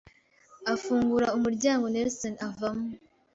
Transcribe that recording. afungura umuryango Nelson avamo